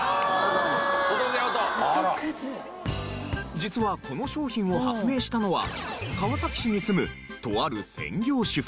実はこの商品を発明したのは川崎市に住むとある専業主婦。